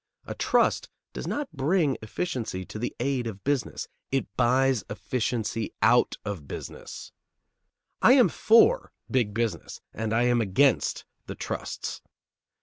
A trust does not bring efficiency to the aid of business; it buys efficiency out of business. I am for big business, and I am against the trusts.